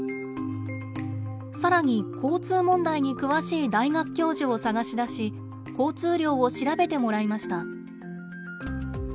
更に交通問題に詳しい大学教授を探し出し交通量を調べてもらいました。